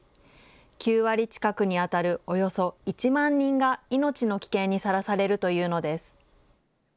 ９割近くに当たるおよそ１万人が命の危険にさらされるというのです。